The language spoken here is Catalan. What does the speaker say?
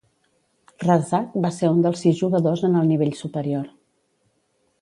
Razzak va ser un dels sis jugadors en el nivell superior.